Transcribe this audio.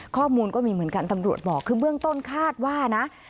ข้อมูลก็มีเหมือนกันตำรวจบอกคือเบื้องต้นคาดว่านะ